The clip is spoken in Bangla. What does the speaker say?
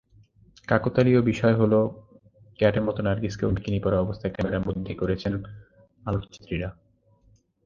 কাকতালীয় বিষয় হলো, ক্যাটের মতো নার্গিসকেও বিকিনি পরা অবস্থায় ক্যামেরাবন্দী করেছেন আলোকচিত্রীরা।